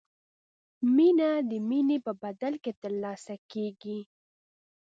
مینه د مینې په بدل کې ترلاسه کیږي.